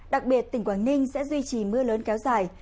đặc biệt tỉnh quảng ninh sẽ duy trì mưa lớn kéo dài